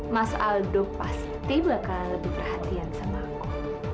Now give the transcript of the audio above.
mas aldo pasti bakal lebih perhatian sama aku